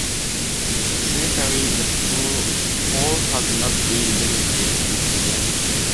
Historically, the poll has not been limited to Canadians.